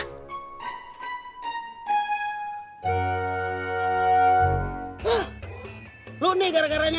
hah blu nih gara garanya